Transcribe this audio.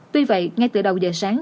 tuy vậy ngay từ đầu giờ sáng